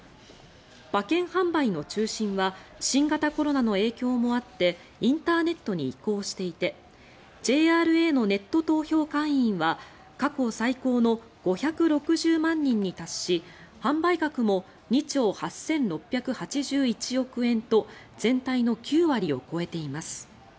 馬券販売の中心は新型コロナの影響もあってインターネットに移行していてＪＲＡのネット投票会員は過去最高の５６０万人に達し販売額も２兆８６８１億円と全体の９割を超えています。